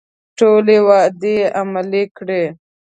ټولې وعدې عملي کړي.